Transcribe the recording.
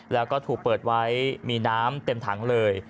แล้วก็ถูกเปิดไว้มีน้ำเต็มถังเลย